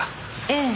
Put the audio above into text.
ええ。